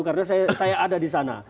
karena saya ada di sana